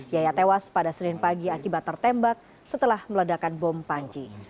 yaya tewas pada senin pagi akibat tertembak setelah meledakan bom panci